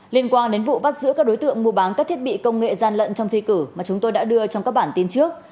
liên quan đến vụ bắt giữ các đối tượng mua bán các thiết bị công nghệ gian lận trong thi cử mà chúng tôi đã đưa trong các bản tin trước